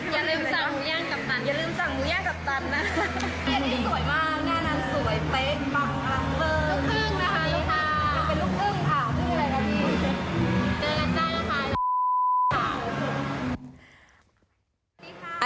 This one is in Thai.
อย่าลืมสั่งหมูแย่งกับตัน